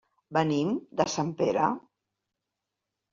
Venim de Sempere.